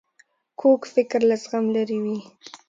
کوږ فکر له زغم لیرې وي